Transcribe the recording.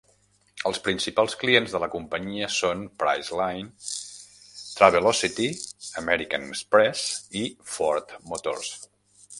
Els principals clients de la companyia són Priceline, Travelocity, American Express i Ford Motors.